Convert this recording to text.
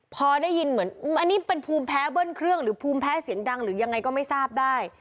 พอได้ยินเหมือนอันนี้เป็นภูมิแพ้เบิ้ลเครื่องหรือภูมิแพ้เสียงดังหรือยังไงก็ไม่ทราบได้